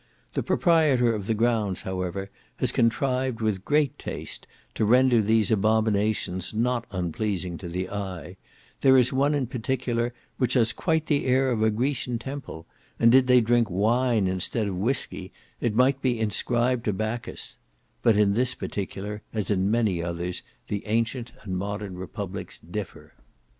The proprietor of the grounds, however, has contrived with great taste to render these abominations not unpleasing to the eye; there is one in particular, which has quite the air of a Grecian temple, and did they drink wine instead of whiskey, it might be inscribed to Bacchus; but in this particular, as in many others, the ancient and modern Republics differ.